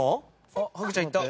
あっハグちゃん行った！